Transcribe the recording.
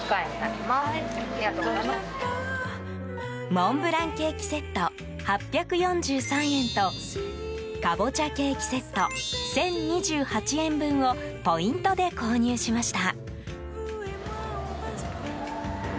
モンブランケーキセット８４３円とカボチャケーキセット１０２８円分をポイントで購入しました。